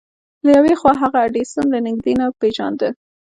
له يوې خوا هغه ايډېسن له نږدې نه پېژانده.